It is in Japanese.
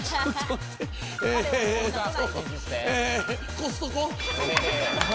コストコ？